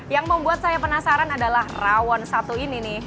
yang membuat saya penasaran adalah rawon satu ini nih